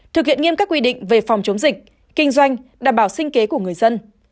thực hiện nghiêm các quy định về phòng chống dịch kinh doanh đảm bảo sinh kế của người dân